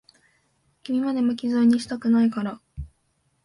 君まで、巻き添えにしたくないから。